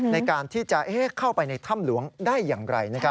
ในการที่จะเข้าไปในถ้ำหลวงได้อย่างไร